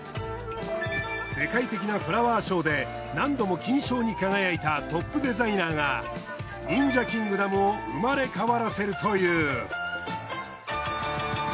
世界的なフラワーショーで何度も金賞に輝いたトップデザイナーが忍者キングダムを生まれ変わらせるという。